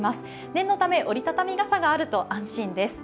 念のため折り畳み傘があると安心です。